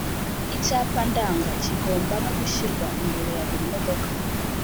Icyapa ndanga kigomba no gushyirwa imbere ya buri modoka